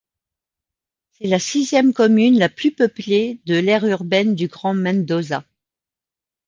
C'est la sixième commune la plus peuplée de l'aire urbaine du grand Mendoza.